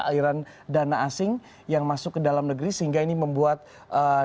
aliran dana asing yang masuk ke dalam negeri sehingga ini membuat negara indonesia lebih berkembang